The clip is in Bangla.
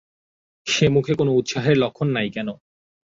সে মুখে কোনো উৎসাহের লক্ষণ নাই কেন?